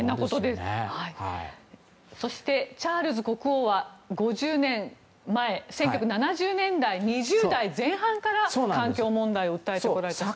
そしてチャールズ国王は５０年前、１９７０年代２０代前半から環境問題を訴えてきたんですね。